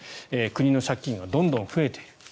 国の借金がどんどん増えている。